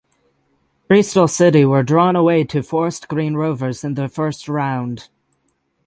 Bristol City were drawn away to Forest Green Rovers in the first round.